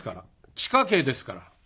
地下茎ですから。